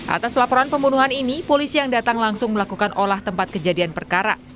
atas laporan pembunuhan ini polisi yang datang langsung melakukan olah tempat kejadian perkara